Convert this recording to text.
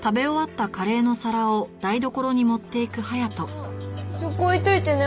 あっそこ置いといてね。